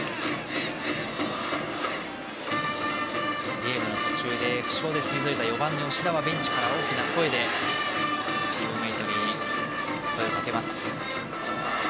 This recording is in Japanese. ゲームの途中で負傷で退いた４番の吉田はベンチから大きな声でチームメートに声をかけます。